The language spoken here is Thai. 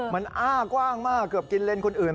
มันอ้ากว้างมากเกือบกินเลนส์คนอื่น